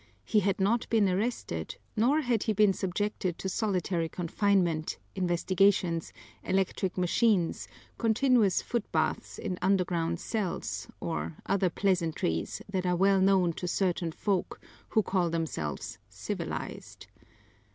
He had not been arrested, nor had he been subjected to solitary confinement, investigations, electric machines, continuous foot baths in underground cells, or other pleasantries that are well known to certain folk who call themselves civilized.